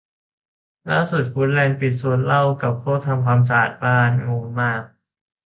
ล่าสุดฟูดแลนด์ปิดโซนเหล้ากับพวกทำความสะอาดบ้าน งงมาก